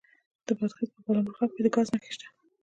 د بادغیس په بالامرغاب کې د ګاز نښې شته.